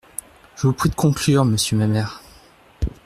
Je vous prie de conclure, monsieur Mamère.